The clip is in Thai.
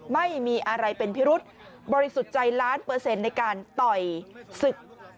ไม่มีอะไรเป็นพิรุษบริสุทธิ์ใจล้านเปอร์เซ็นต์ในการต่อยศึก